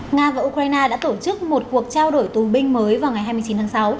nga và ukraine đã tổ chức một cuộc trao đổi tù binh mới vào ngày hai mươi chín tháng sáu